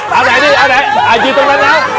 เอาไหนดิเอาไหนอยู่ตรงนั้นนะ